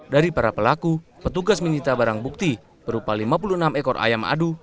dari para pelaku petugas menyita barang bukti berupa lima puluh enam ekor ayam adu